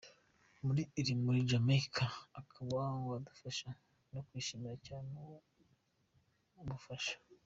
Niba uri muri Jamaica ukaba wadufasha, nakwishimira cyane ubwo bufasha.